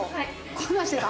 こんなんしてた？」